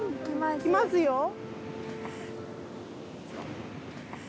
来ますよ。